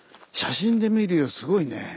写真で見るよりすごいね。